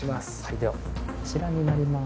ではこちらになります。